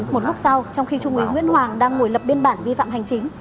một lúc sau trong khi trung úy nguyễn hoàng đang ngồi lập biên bản vi phạm hành chính